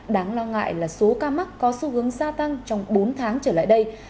đáng lo ngại là số ca mắc có xu hướng gia tăng trong bốn tháng trở lại đây